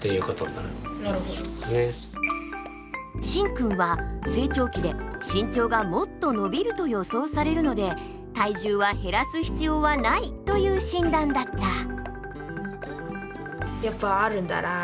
しんくんは成長期で身長がもっと伸びると予想されるので体重は減らす必要はないという診断だった。